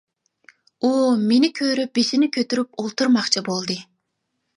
ئۇ مېنى كۆرۈپ بېشىنى كۆتۈرۈپ ئولتۇرماقچى بولدى.